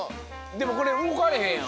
でもこれうごかれへんやん。